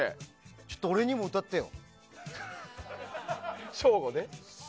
ちょっと俺にも歌ってよ。